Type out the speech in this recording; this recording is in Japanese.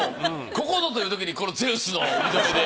ここぞというときにこのゼウスの帯留めで。